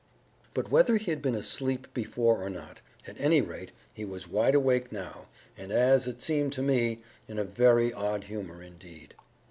But, whether he had been asleep before or not, at any rate he was wide awake now, and, as it seemed to me, in a very odd humor indeed.